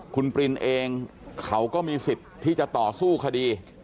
คุณปรินเองเขาก็มีสิทธิ์ที่จะต่อสู้คดี